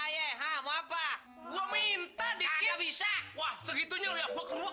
hehehe bisa wah segitunya